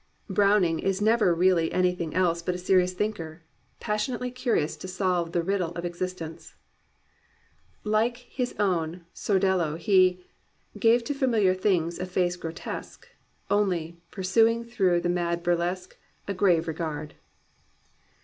Browning is never 267 COMPANIONABLE BOOKS really anything else but a serious thinker, passion ately curious to solve the riddle of existence. Like his own Sordello he "Gave to familiar things a face grotesque. Only, pursuing through the mad burlesque, A grave regard."